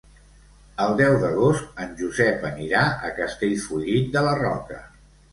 El deu d'agost en Josep anirà a Castellfollit de la Roca.